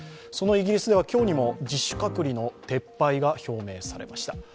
そのイギリスでは今日にも自主隔離の撤廃が表明されました